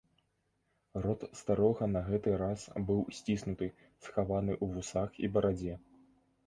Рот старога на гэты раз быў сціснуты, схаваны ў вусах і барадзе.